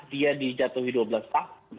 dia dijatuhi dua belas tahun